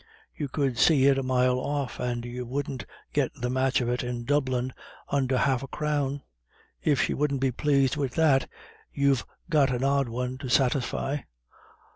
You could see it a mile off, and you wouldn't get the match of it in Dublin under half a crown. If she wouldn't be plased wid that, you've got an odd one to satisfy."